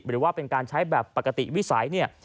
หรือว่าเป็นการใช้แบบปกติวิสัยเนี่ย